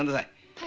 はい。